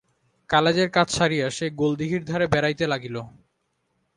কালেজের কাজ সারিয়া সে গোলদিঘির ধারে বেড়াইতে লাগিল।